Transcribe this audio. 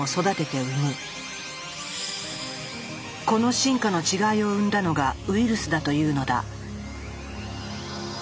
この進化の違いを生んだのがウイルスだというのだ。